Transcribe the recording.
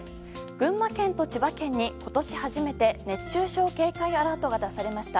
群馬県と千葉県に、今年初めて熱中症警戒アラートが出されました。